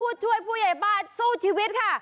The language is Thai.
ผู้ช่วยผู้ใหญ่บ้านสู้ชีวิตค่ะ